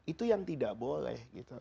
itu yang tidak boleh